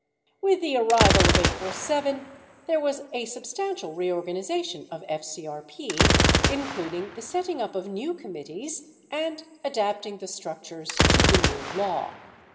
With the arrival of April 7, there was a substantial reorganization of FCRP, including the setting up of new committees and adapting the structures to the new law.